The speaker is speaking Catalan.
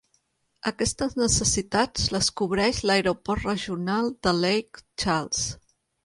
Aquestes necessitats les cobreix l'Aeroport Regional de Lake Charles.